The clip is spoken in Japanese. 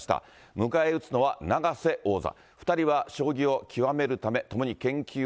迎え撃つのは永瀬王座。